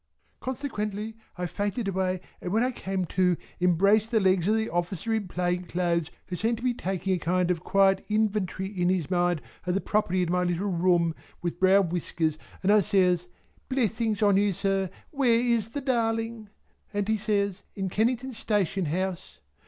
Consequently I fainted away and when I came to, embraced the legs of the officer in plain clothes who seemed to be taking a kind of a quiet inventory in his mind of the property in my little room with brown whiskers, and I says "Blessings on you sir where is the Darling!" and he says "In Kennington Station House."